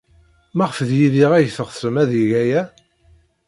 Maɣef d Yidir ay teɣsem ad yeg aya?